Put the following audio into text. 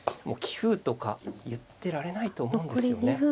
もう棋風とか言ってられないと思うんですよね。